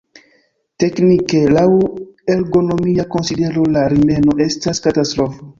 Teknike, laŭ ergonomia konsidero la rimeno estas katastrofo.